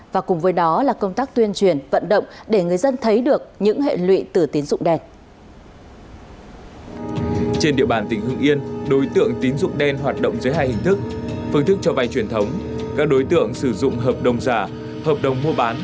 và cùng với đó là công tác tuyên truyền vận động để người dân thấy được những hệ lụy từ tín dụng đen